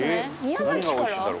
宮崎から？